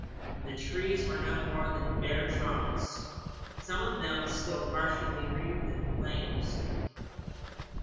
The trees were no more than bare trunks, some of them still partially wreathed in flames.